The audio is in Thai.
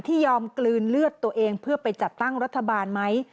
ยอมกลืนเลือดตัวเองเพื่อไปจัดตั้งรัฐบาลไหม